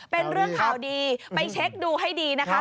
เป็นเรื่องข่าวดีไปเช็คดูให้ดีนะคะ